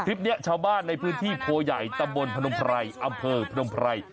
คลิปนี้ชาวบ้านในพื้นที่โพหย่ายตำบลพะนมพลัยอำเภอพะนมพลัย